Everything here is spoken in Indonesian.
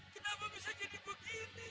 kenapa bisa jadi begini